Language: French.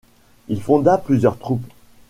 Il fonda plusieurs troupes.